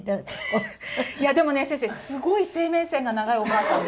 いやでもね、先生、すごい生命線が長いおかあさんで。